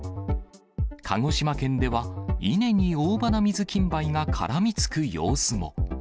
鹿児島県では、稲にオオバナミズキンバイが絡みつく様子も。